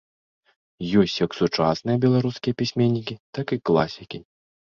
Ёсць як сучасныя беларускія пісьменнікі, так і класікі.